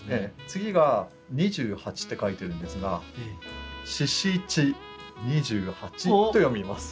次が「二十八」って書いてるんですが「４×７＝２８」と読みます。